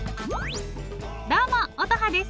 どうも乙葉です！